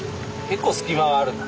結構隙間はあるな。